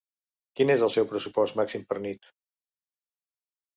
Quin és el seu pressupost màxim per nit?